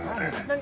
何？